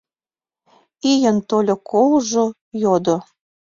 Ийын тольо колжо, йодо: